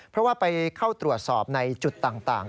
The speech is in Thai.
เพราะว่าไปเข้าตรวจสอบในจุดต่าง